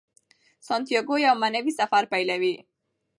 سانتیاګو یو معنوي سفر پیلوي.